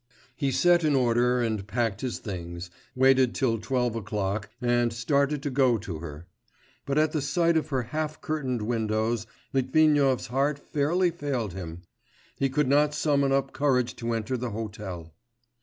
He set in order and packed his things, waited till twelve o'clock, and started to go to her. But at the sight of her half curtained windows Litvinov's heart fairly failed him ... he could not summon up courage to enter the hotel.